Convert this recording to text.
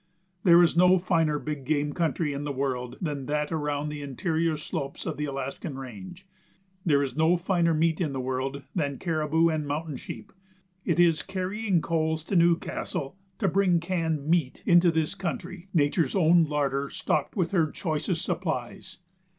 There is no finer big game country in the world than that around the interior slopes of the Alaskan range; there is no finer meat in the world than caribou and mountain sheep. It is carrying coals to Newcastle to bring canned meat into this country nature's own larder stocked with her choicest supplies.